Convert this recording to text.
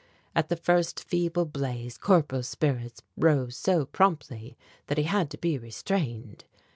At the first feeble blaze Corporal's spirits rose so promptly that he had to be restrained.